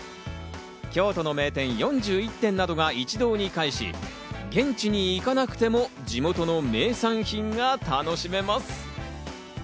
京都の名店４１店などが一堂に会し、現地に行かなくても地元の名産品が楽しめます。